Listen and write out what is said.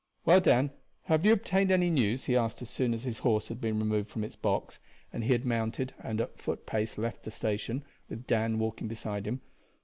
"Well, Dan, have you obtained any news?" he asked as soon as his horse had been removed from its box, and he had mounted and at a foot pace left the station, with Dan walking beside him.